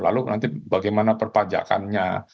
lalu nanti bagaimana perpajakannya